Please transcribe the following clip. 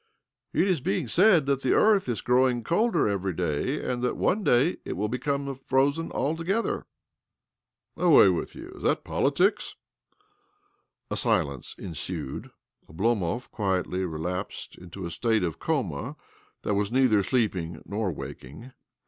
"" It is being said that the earth is growir colder every day, and that one day it w: become frozen altogether." " Away with you ! Is that politics ?" OBLOMOV 287 A silence ensued. Obloniov quietly relapsed into a state of coma that was neither sleeping nor waking.